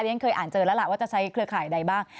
ฉันเคยอ่านเจอแล้วล่ะว่าจะใช้เครือข่ายใดบ้าง